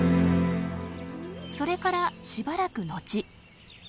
それからしばらく後。